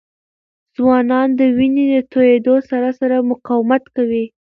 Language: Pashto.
ځوانان د وینې د تویېدو سره سره مقاومت کوي.